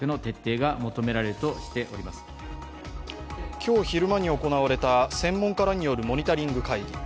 今日昼間に行われた専門家らによるモニタリング会議。